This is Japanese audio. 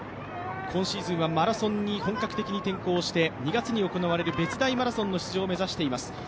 今シーズンはマラソンに本格的に転向して、２月に行われる別大マラソンの出場を目指しています。